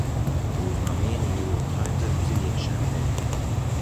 روزنامهی نیویورک تایمز روز یکشنبه